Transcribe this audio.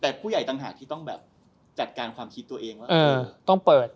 แต่ผู้ใหญ่ต่างหากที่ต้องแบบจัดการความคิดตัวเองว่าต้องเปิด